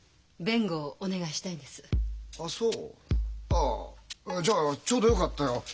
あじゃあちょうどよかったよ。